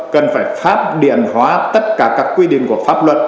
cần phải pháp điện hóa tất cả các quy định của pháp luật